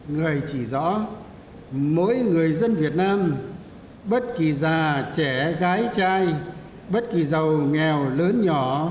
người chỉ rõ mỗi người dân việt nam bất kỳ già trẻ gái trai bất kỳ giàu nghèo lớn nhỏ